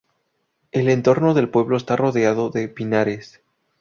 El entorno del pueblo está rodeado de pinares.